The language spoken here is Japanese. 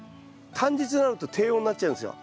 短日になると低温になっちゃうんですよ。